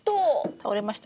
倒れました。